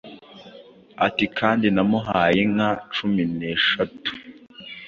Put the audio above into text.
ati «Kandi namuhaye inka cumi n'esheshatu